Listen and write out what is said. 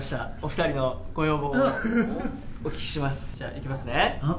行きますね。